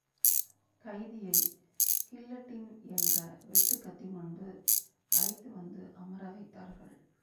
கைதியை கில்லட்டின் என்ற வெட்டுக் கத்தி முன்பு அழைத்து வந்து அமரவைத்தார்கள்.